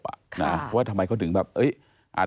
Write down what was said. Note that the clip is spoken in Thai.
เพราะว่าทำไมเขาถึงแบบ